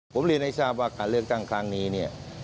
ผมเรียนให้ทราบว่าการเลือกตั้งครั้งนี้เนี่ย